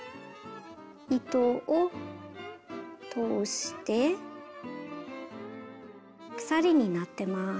糸を通して鎖になってます。